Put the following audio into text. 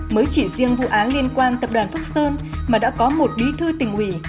mới chỉ riêng vụ án liên quan tập đoàn phúc sơn mà đã có một bí thư tỉnh ủy